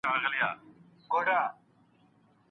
ډېر چاڼ ولي د لوړ ږغ سره دلته راوړل سوی دی؟